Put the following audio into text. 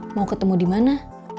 mau ketemu dimana